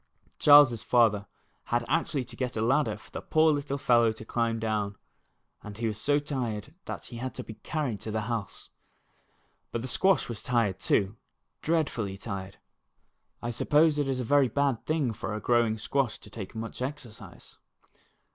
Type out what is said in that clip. Charles's father had actually to get a ladder for the poor little fellow to climb down, and he was so tired that he had to be carried to the house. But the squash was tired, too, dreadfully tired. I suppose it is a very bad thing for a growing squash to take much exercise.